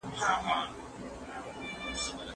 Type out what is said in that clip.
کي موږ داسي صحنې لیدلې، چي د اروپا د لومړۍ